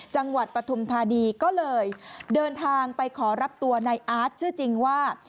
จังหวัดปฐมธาดีก็เลยเดินทางไปขอรับตัวนายอาร์ดชื่อจริงว่า